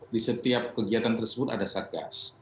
di setiap kegiatan tersebut ada satgas